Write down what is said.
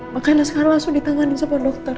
makanya sekarang langsung ditanganin sama dokter